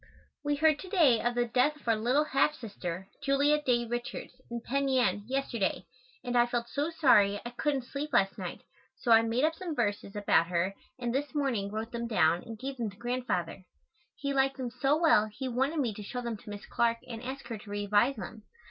We heard to day of the death of our little half sister, Julia Dey Richards, in Penn Yan, yesterday, and I felt so sorry I couldn't sleep last night so I made up some verses about her and this morning wrote them down and gave them to Grandfather. He liked them so well he wanted me to show them to Miss Clark and ask her to revise them.